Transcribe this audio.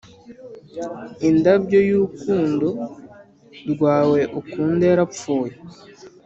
indabyo y'urukundo rwawe ukunda yarapfuye;